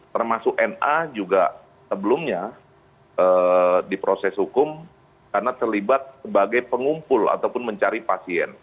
termasuk na juga sebelumnya diproses hukum karena terlibat sebagai pengumpul ataupun mencari pasien